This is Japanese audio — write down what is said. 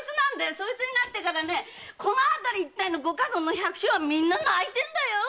そいつになってからこのあたり一帯の五か村の百姓は皆泣いてんだよ！